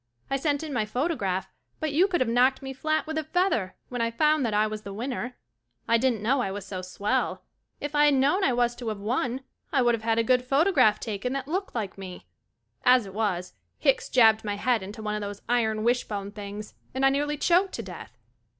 I sent in my photograph but you could of knocked me flat with a feather when I found that I was the winner. I didn't know I was so swell. If I had known I was to of won, I would have had a good photo graph taken that looked like me. As it was, Hicks jabbed my head into one of those iron wishbone things, and I nearly choked to death.